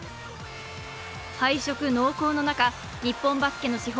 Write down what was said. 敗色濃厚の中、日本バスケの至宝